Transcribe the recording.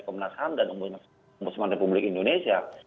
komnas ham dan om boseman republik indonesia